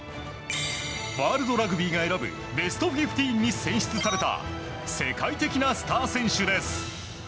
ワールドラグビーが選ぶベストフィフティーンに選出された世界的なスター選手です。